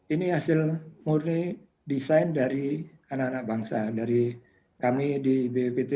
ini hasil murni desain dari anak anak bangsa dari kami di bppt